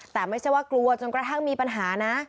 แต่ไม่ใช่ว่ากลัวจนกระทั่งมีปัญหานะ